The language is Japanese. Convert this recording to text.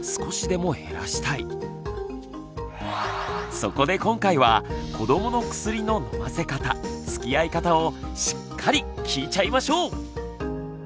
そこで今回は子どもの薬の飲ませ方つきあい方をしっかり聞いちゃいましょう！